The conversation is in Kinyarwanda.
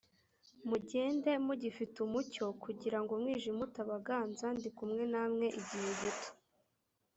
mugende mugifite umucyo kugira ngo umwijima utabaganza ndi kumwe namwe igihe gito